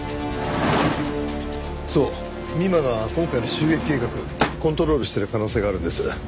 そう美馬が今回の襲撃計画コントロールしてる可能性があるんです。